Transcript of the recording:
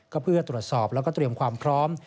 ก็เพื่อตรวจสอบแล้วก็เตรียมความพร้อม